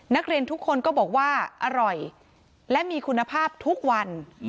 นักเรียนทุกคนก็บอกว่าอร่อยและมีคุณภาพทุกวัน